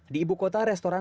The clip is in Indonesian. di ibu kota restoran